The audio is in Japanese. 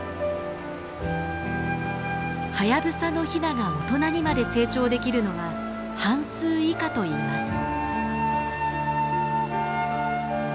ハヤブサのヒナが大人にまで成長できるのは半数以下といいます。